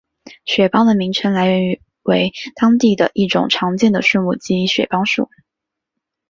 雪邦的名称来源为当地一种常见的树木即雪邦树。